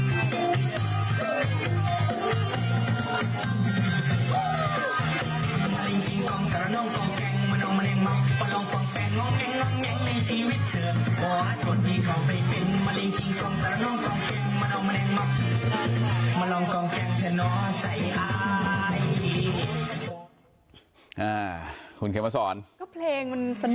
มันออกมันยังมักมันออกมันแปลงมันยังมันยัง